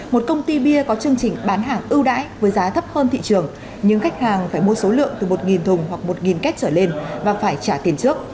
một công ty bia có chương trình bán hàng ưu đãi với giá thấp hơn thị trường nhưng khách hàng phải mua số lượng từ một thùng hoặc một kwh trở lên và phải trả tiền trước